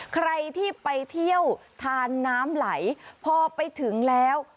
ใครที่ไปเที่ยวทานน้ำไหลพอไปถึงแล้ว